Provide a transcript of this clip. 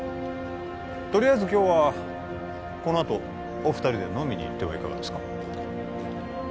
とりあえず今日はこのあとお二人で飲みにいってはいかがですか？